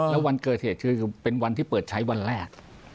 แล้ววันเกิดเหตุคือเป็นวันที่เปิดใช้วันแรก